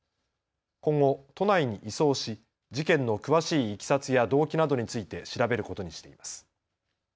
今後、都内に移送し事件の詳しいいきさつや動機などについて調べることにしています。